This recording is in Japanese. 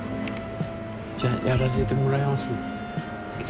じゃあやらせてもらいます。